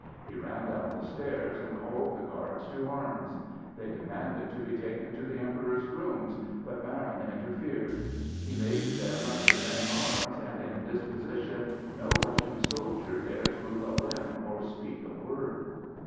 He ran down the stairs and called the guards to arms. They demanded to be taken to the Emperor's rooms, but Marin interfered. He made them present arms, and in this position no Russian soldier dares move a limb or speak a word.